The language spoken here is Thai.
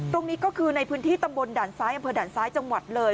ตรงนี้ก็คือในพื้นที่ตำบลด่านซ้ายอำเภอด่านซ้ายจังหวัดเลย